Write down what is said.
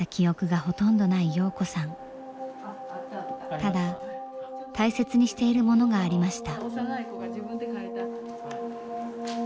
ただ大切にしているものがありました。